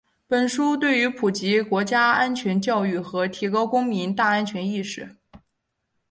本书对于普及国家安全教育和提高公民“大安全”意识